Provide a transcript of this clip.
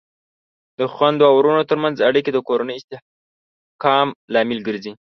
د خویندو او ورونو ترمنځ اړیکې د کورنۍ د استحکام لامل ګرځي.